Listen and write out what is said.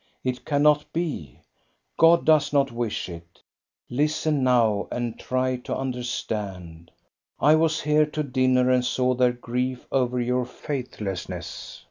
It cannot be. God does not wish it. Listen now and try to understand. I was here to dinner and saw their grief over your faithlessness.